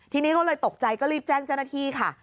ทีนี้ก็เลยตกใจก็รีบแจ้งเจ้าหน้าที่ค่ะ